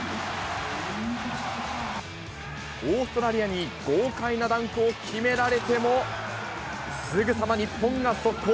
オーストラリアに豪快なダンクを決められても、すぐさま日本が速攻。